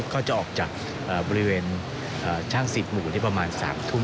ก็จะออกจากบริเวณช่าง๑๐หมู่ที่ประมาณ๓ทุ่ม